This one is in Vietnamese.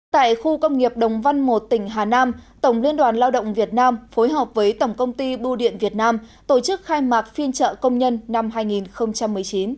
tại khu công nghiệp đồng văn một tỉnh hà nam tổng liên đoàn lao động việt nam phối hợp với tổng công ty bưu điện việt nam tổ chức khai mạc phiên trợ công nhân năm hai nghìn một mươi chín